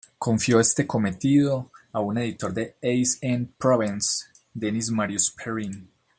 Confió este cometido a un editor de Aix-en-Provence, Denis Marius Perrin.